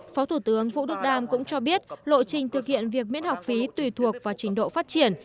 phó thủ tướng vũ đức đam cũng cho biết lộ trình thực hiện việc miễn học phí tùy thuộc vào trình độ phát triển